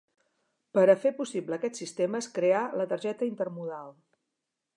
Per a fer possible aquest sistema, es creà la targeta intermodal.